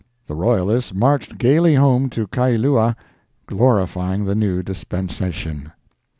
The royalists marched gayly home to Kailua glorifying the new dispensation.